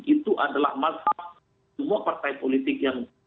itu adalah mazhab semua partai politik yang